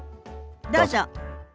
どうぞ。